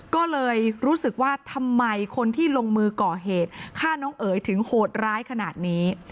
ก็เลยรู้สึกว่าทำไมคนที่ลงมือก่อเหตุฆ่าน้องเอ๋ยถึงโหดร้ายขนาดนี้